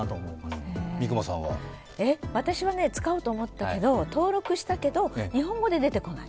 私は使おうと思ったけど、登録したけど、日本語が出てこない。